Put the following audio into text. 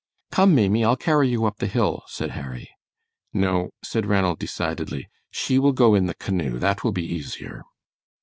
"Come, Maimie, I'll carry you up the hill," said Harry. "No," said Ranald, decidedly, "she will go in the canoe. That will be easier."